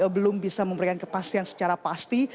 belum bisa memberikan kepastian secara pasti